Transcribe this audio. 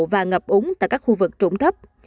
và ngập úng tại các khu vực trụng thấp